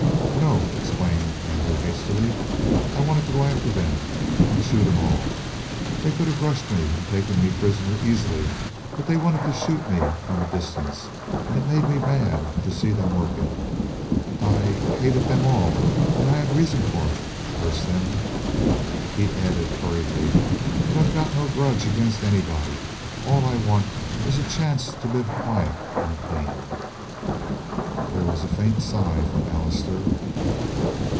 "No," explained Andrew hastily. "I wanted to go after them and shoot'em all. They could have rushed me and taken me prisoner easily, but they wanted to shoot me from a distance and it made me mad to see them work it. I I hated them all, and I had a reason for it. Curse them!" He added hurriedly: "But I've no grudge against anybody. All I want is a chance to live quiet and clean." There was a faint sigh from Allister.